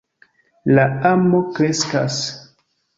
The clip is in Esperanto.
La amo kreskas.